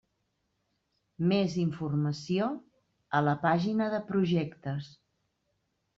Més informació: a la pàgina de projectes.